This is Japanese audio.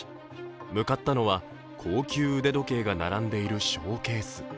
向かったのは高級腕時計が並んでいるショーケース。